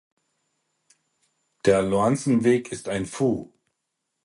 Der Lornsenweg ist ein Fu